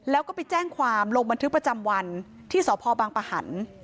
แล้วก็ไปแจ้งความลงบันทึกประจำวันที่สพบังปะหัน